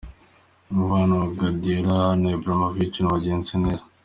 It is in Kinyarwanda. Umubano wa Guardiola na Ibrahimovic ntiwagenze neza.